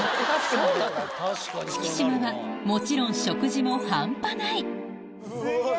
四季島はもちろん食事も半端ない！